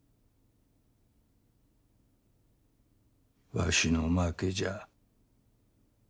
わしの負けじゃ。